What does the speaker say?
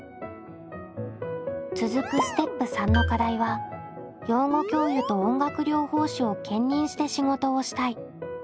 続くステップ③の課題は「養護教諭と音楽療法士を兼任して仕事をしたい」。